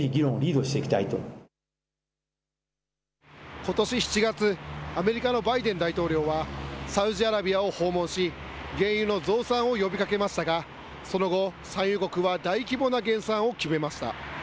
ことし７月、アメリカのバイデン大統領は、サウジアラビアを訪問し、原油の増産を呼びかけましたが、その後、産油国は大規模な減産を決めました。